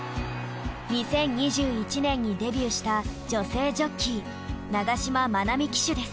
２０２１年にデビューした女性ジョッキー永島まなみ騎手です。